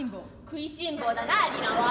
「食いしん坊だなリナは」。